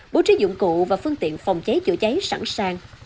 bố trí dụng cụ và phương tiện phòng cháy chữa cháy sẵn sàng